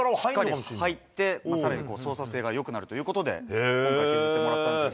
しっかり入って、さらに操作性がよくなるということで、今回、削ってもらったんですけど。